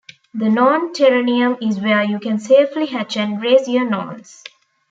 The Norn Terranium is where you can safely hatch and raise your norns.